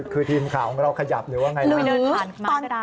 คือทีมข่าวของเราขยับหรือว่าอย่างไร